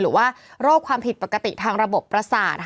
หรือว่าโรคความผิดปกติทางระบบประสาท